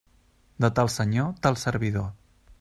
De tal senyor tal servidor.